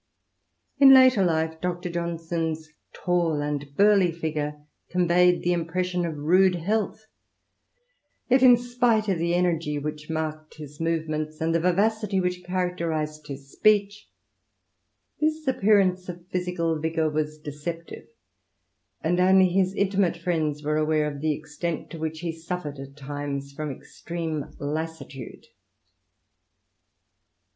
In later life Dr. Johnson's tall and burly figure conveyed the impression of rude health ; yet, in spite of the energy which marked his movements, and the vivacity which characterised his speech, this appearance of physical vigour was deceptive, and only his intimate friends were aware of the extent to which he suffered at times from extreme lassitude.